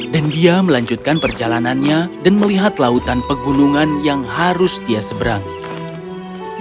dan dia melanjutkan perjalanannya dan melihat lautan pegunungan yang harus dia seberangi